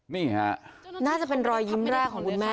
เพื่อนบ้านเจ้าหน้าที่อำรวจกู้ภัย